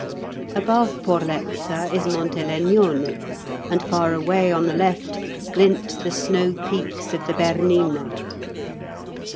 Above Porlezza is Monte Legnone, and far away on the left glint the snow peaks of the Bernina.